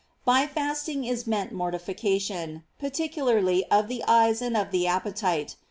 By fasting is meant mortification, particularly of the eyes and of the appetite.